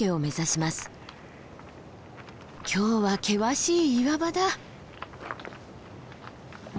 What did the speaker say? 今日は険しい岩場だ。